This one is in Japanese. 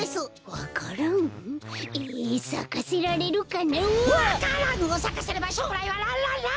わか蘭をさかせればしょうらいはランランランなのです！